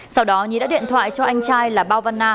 sau đó nhí đã điện thoại cho anh trai là bao văn na